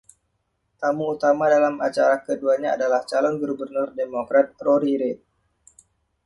Tamu utama dalam acara keduanya adalah calon Gubernur Demokrat, Rory Reid.